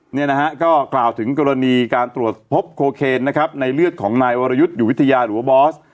เนี่ยนะฮะก็กล่าวถึงกรณีการตรวจพบโคเคนนะครับในเลือดของนายวรยุทธ์อยู่วิทยาหรือว่าบอส